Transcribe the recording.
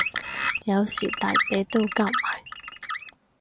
有時大髀都交埋